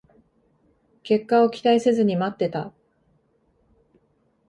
結果を期待せずに待ってた